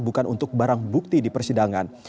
bukan untuk barang bukti di persidangan